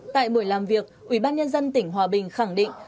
tại buổi làm việc ủy ban nhân dân tỉnh hòa bình khẳng định